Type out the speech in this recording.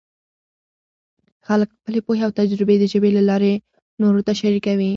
خلک خپلې پوهې او تجربې د ژبې له لارې نورو سره شریکوي.